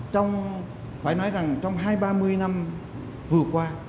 trong phải nói rằng trong hai ba mươi năm vừa qua